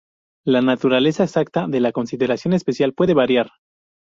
La naturaleza exacta de la "consideración especial" puede variar.